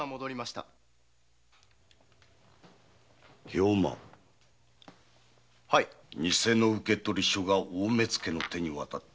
兵馬偽の受取書が大目付の手に渡った。